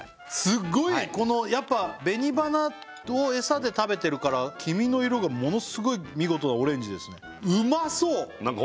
すごいこのやっぱ紅花をエサで食べてるから黄身の色がものすごい見事なオレンジですね